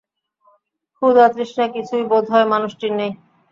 ক্ষুধা-তৃষ্ণা কিছুই বোধ-হয় মানুষটির নেই।